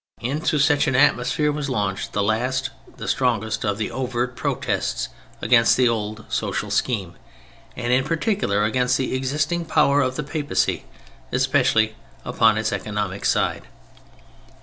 Into such an atmosphere was launched the last and the strongest of the overt protests against the old social scheme, and in particular against the existing power of the Papacy, especially upon its economic side.